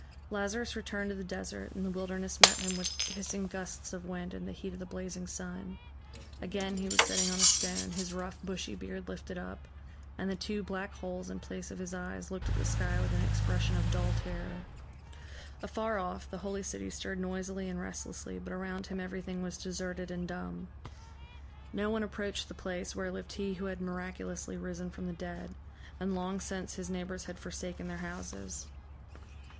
Lazarus returned to the desert, and the wilderness met him with hissing gusts of wind and the heat of the blazing sun. Again he was sitting on a stone, his rough, bushy beard lifted up; and the two black holes in place of his eyes looked at the sky with an expression of dull terror. Afar off the holy city stirred noisily and restlessly, but around him everything was deserted and dumb. No one approached the place where lived he who had miraculously risen from the dead, and long since his neighbors had forsaken their houses.